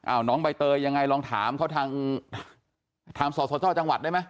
อ้าวน้องใบเตยยังไงลองถามเขาทางถามส่อโชช่าจังหวัดได้ไหม